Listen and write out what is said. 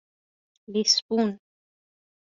لیسبون